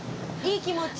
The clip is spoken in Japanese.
いい気持ち？